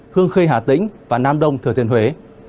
hương khê hà tĩnh và nam đông thừa thiên huế